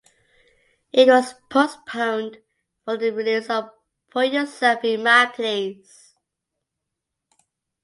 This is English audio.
It was postponed for the release of "Put Yourself in My Place".